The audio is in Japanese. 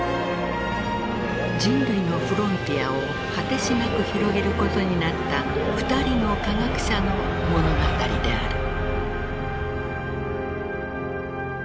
人類のフロンティアを果てしなく広げることになった２人の科学者の物語である。